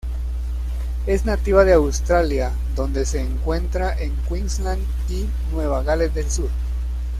Es nativa de Australia, donde se encuentra en Queensland y Nueva Gales del Sur.